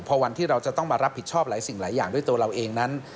พอวันที่เราจะต้องมารับผิดชอบหลายสิ่งหลายอย่างด้วยตัวเราเองนั้น